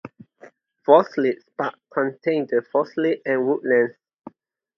Falls Lake Park contains the Falls Lake and of woodlands.